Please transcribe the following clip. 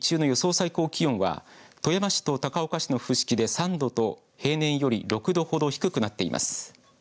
最高気温は富山市と高岡市の伏木で３度と平年より６度ほど低くなっています。